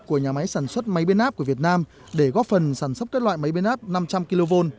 của nhà máy sản xuất máy biến áp của việt nam để góp phần sản xuất các loại máy biến áp năm trăm linh kv